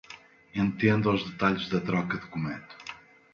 Entenda os detalhes da troca de comando